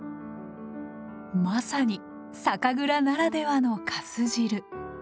まさに酒蔵ならではの粕汁。